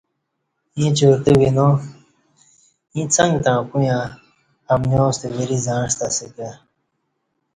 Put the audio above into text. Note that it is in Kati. ییں چورتہ وینا، ایں څک تݩع کویاں امنیاں ستہ وری زعںستہ اسہ کہ